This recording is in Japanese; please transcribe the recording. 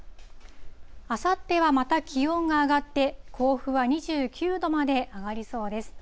あさってはまた気温が上がって、甲府は２９度まで上がりそうです。